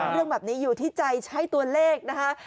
เรื่องแบบนี้อยู่ที่ใจใช้ตัวเลขนะคะ